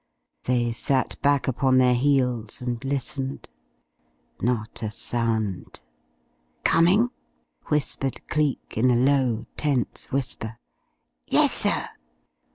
They sat back upon their heels and listened. Not a sound. "Coming?" whispered Cleek in a low, tense whisper. "Yes sir."